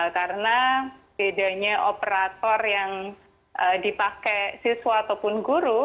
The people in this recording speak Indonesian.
karena bedanya operator yang dipakai siswa ataupun guru